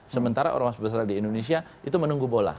sementara orang orang besar di indonesia itu menunggu bola